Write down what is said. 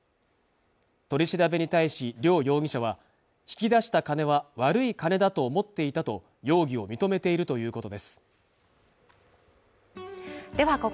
取り調べに対し梁容疑者は引き出した金は悪い金だと思っていたと容疑を認めているということです